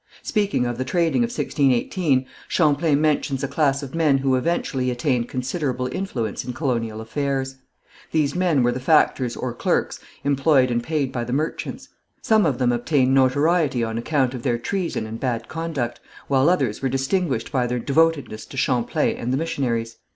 Speaking of the trading of 1618, Champlain mentions a class of men who eventually attained considerable influence in colonial affairs. These men were the factors or clerks employed and paid by the merchants. Some of them obtained notoriety on account of their treason and bad conduct, while others were distinguished by their devotedness to Champlain and the missionaries.